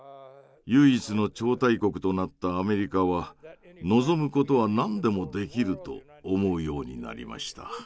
唯一の超大国となったアメリカは望むことは何でもできると思うようになりました。